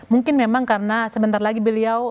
mungkin memang karena sebentar lagi beliau